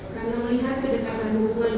karena melihat kedekatan hubungan